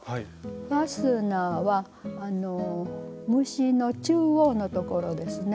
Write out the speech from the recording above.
ファスナーは務歯の中央のところですね